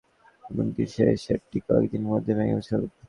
এমনকি, এই সেটটি কয়েক দিনের মধ্যে ভেঙ্গে ফেলব।